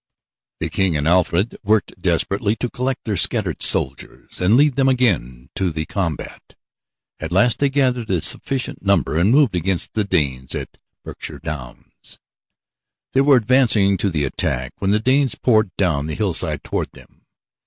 The King and Alfred worked desperately to collect their scattered soldiers and lead them again to the combat. At last they gathered a sufficient number and moved against the Danes on Berkshire Downs. They were advancing to the attack when the Danes poured down the hillside toward them.